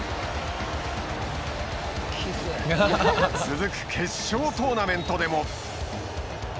続く決勝トーナメントでも。